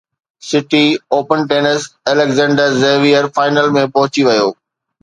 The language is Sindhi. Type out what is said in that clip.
city Open tennis Alexander Zverev final ۾ پهچي ويو